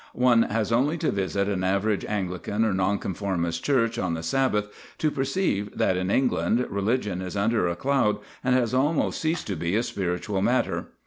One has only to visit an average Anglican or Nonconformist church on the Sabbath to perceive that in England religion is under a cloud and has almost ceased to be a spiritual matter.